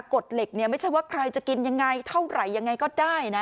กฎเหล็กเนี่ยไม่ใช่ว่าใครจะกินยังไงเท่าไหร่ยังไงก็ได้นะ